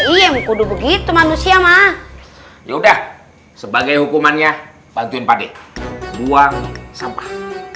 iya mukudu begitu manusia mah ya udah sebagai hukumannya bantuin pak deh buang sampah